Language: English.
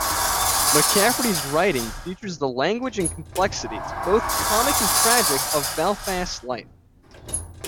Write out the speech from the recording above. McCafferty's writing features the language and complexities, both comic and tragic, of Belfast life.